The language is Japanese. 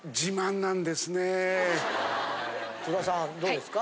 戸田さんはどうですか？